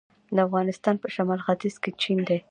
د افغانستان په شمال ختیځ کې چین دی